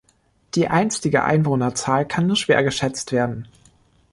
Die einstige Einwohnerzahl kann nur schwer geschätzt werden.